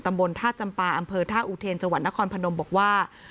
ตำบลท่าจำปาอำเภอท่าอุเทนจังหวัดนครพนมบอกว่า